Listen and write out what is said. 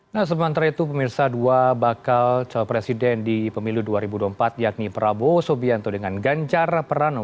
nah sementara itu pemirsa dua bakal calon presiden di pemilu dua ribu dua puluh empat yakni prabowo subianto dengan ganjar pranowo